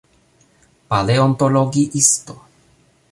... paleontologiisto